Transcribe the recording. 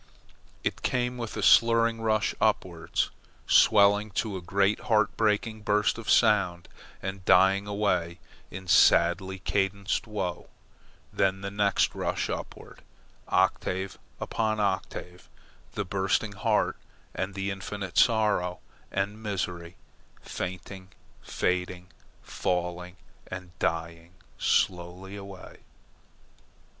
It came with a slurring rush upwards, swelling to a great heart breaking burst of sound, and dying away in sadly cadenced woe then the next rush upward, octave upon octave; the bursting heart; and the infinite sorrow and misery, fainting, fading, falling, and dying slowly away.